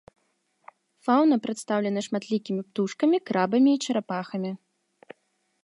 Фаўна прадстаўлена шматлікімі птушкамі, крабамі і чарапахамі.